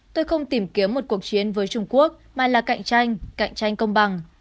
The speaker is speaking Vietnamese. tôi không tìm kiếm một cuộc chiến với trung quốc mà là cạnh tranh cạnh tranh công bằng